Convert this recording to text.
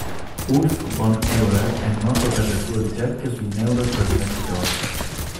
Ulf von Euler è noto per le sue ricerche sui neurotrasmettitori.